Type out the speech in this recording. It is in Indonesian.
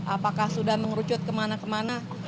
apakah sudah mengerucut kemana kemana